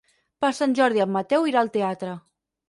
Per Sant Jordi en Mateu irà al teatre.